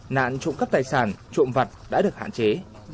nạn trộm cắp tài sản trộm vật đã được hạn chế